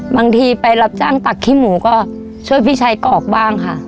บางทีไปรับจ้างตักขี้หมูก็ช่วยพี่ชายกรอกบ้างค่ะ